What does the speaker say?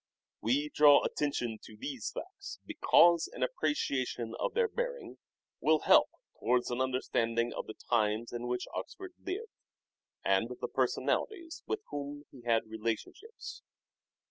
We draw attention to these facts because an appreciation of their bearing will help towards an understanding of the times in which Oxford lived, and the personalities with whom he had relationships.